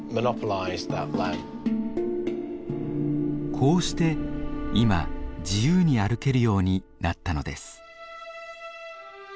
こうして今自由に歩けるようになったのです。